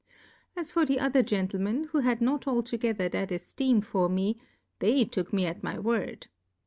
As for the other Gentlemen, who had not altogether that Efteem for me, they took me at my Word.